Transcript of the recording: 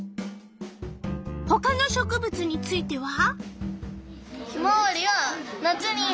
ほかの植物については？